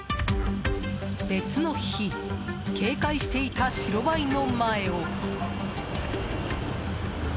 別の日警戒していた白バイの前を。